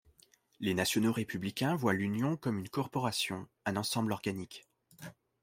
Les Nationaux-républicains voient l'Union comme une corporation, un ensemble organique.